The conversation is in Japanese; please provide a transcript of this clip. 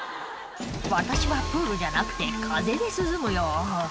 「私はプールじゃなくて風で涼むよ」